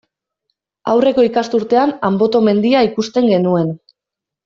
Aurreko ikasturtean Anboto mendia ikusten genuen.